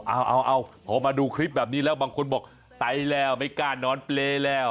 เอาพอมาดูคลิปแบบนี้แล้วบางคนบอกไปแล้วไม่กล้านอนเปรย์แล้ว